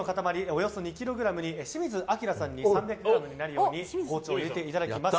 およそ２ｋｇに清水アキラさんに３００ｇになるように包丁を入れていただきます。